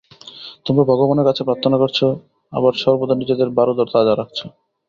তোমরা ভগবানের কাছে প্রার্থনা করছ, আবার সর্বদা নিজেদের বারুদও তাজা রাখছ।